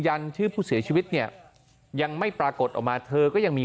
ยันชื่อผู้เสียชีวิตเนี่ยยังไม่ปรากฏออกมาเธอก็ยังมี